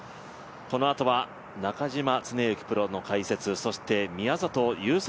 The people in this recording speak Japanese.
このあとは中島常幸プロの解説、そして宮里優作